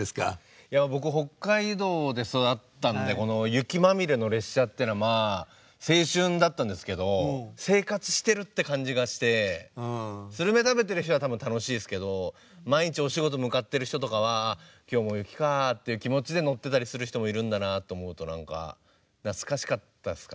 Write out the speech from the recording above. いや僕北海道で育ったんでこの雪まみれの列車ってのはまあ青春だったんですけど生活してるって感じがしてスルメ食べてる人は多分楽しいですけど毎日お仕事向かってる人とかは「今日も雪かぁ」っていう気持ちで乗ってたりする人もいるんだなと思うと何か懐かしかったですかね。